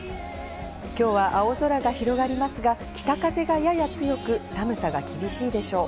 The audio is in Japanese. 今日は青空が広がりますが、北風がやや強く寒さが厳しいでしょう。